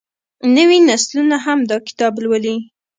نوې نسلونه هم دا کتاب لولي.